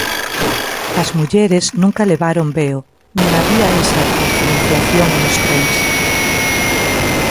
As mulleres nunca levaron veo, nin había esa diferenciación nos trens.